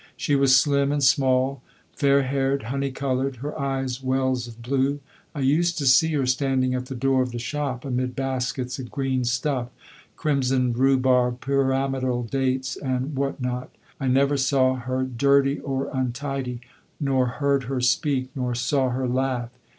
She was slim and small, fair haired, honey coloured, her eyes wells of blue. I used to see her standing at the door of the shop, amid baskets of green stuff, crimsoned rhubarb, pyramided dates, and what not. I never saw her dirty or untidy, nor heard her speak, nor saw her laugh.